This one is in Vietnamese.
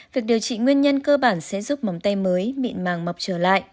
việc điều trị nguyên nhân cơ bản sẽ giúp mồng tay mới mịn màng mọc trở lại